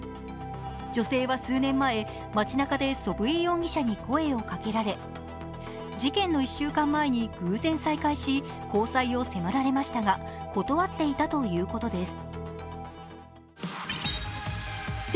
女性は数年前、街なかで祖父江容疑者に声をかけられ事件の１週間前に偶然再会し、交際を迫られましたが断っていたということです。